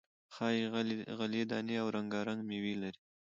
ښې غلې دانې او رنگا رنگ میوې لري،